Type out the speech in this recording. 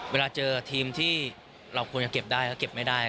เวลาเจอทีมที่เราควรจะเก็บได้ก็เก็บไม่ได้